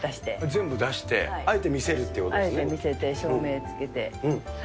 全部出して、あえて見せるっあえて見せて、照明つけて。